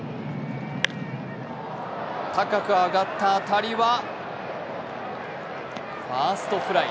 高く上がった当たりはファーストフライ。